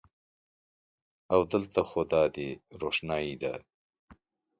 او د لته خو دادی روښنایې ده